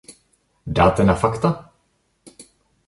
Dáte na fakta?